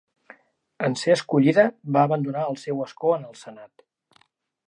En ser escollida, va abandonar el seu escó en el Senat.